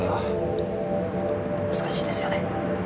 難しいですよね。